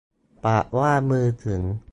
ปากว่ามือถึง